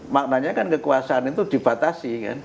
maknanya kan kekuasaan itu dibatasi kan